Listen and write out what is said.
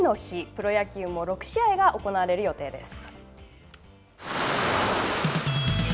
プロ野球も６試合が行われる予定です。